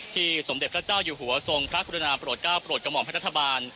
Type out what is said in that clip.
ที่สมเจ็จพระเจ้าอยู่หัวทรงพระอุณาประโรทกาประโรทกำมองกับรัฐบาล